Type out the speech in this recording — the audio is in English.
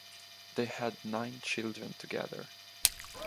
They had nine children together.